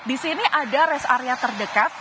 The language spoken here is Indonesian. di sini ada rest area terdekat